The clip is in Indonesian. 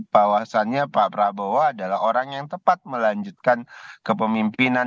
bahwasannya pak prabowo adalah orang yang tepat melanjutkan kepemimpinan